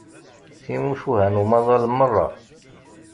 Timucuha n umaḍal merra.